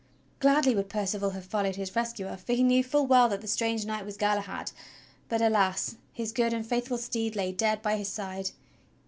Gladly would Percival have followed his rescuer, for he knew full well that the strange knight was Galahad; but, alas! his good and faithful steed lay dead by his side!